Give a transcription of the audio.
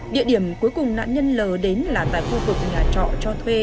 địa điểm cuối cùng nạn nhân l đến là tại khu vực nhà trọ cho thuê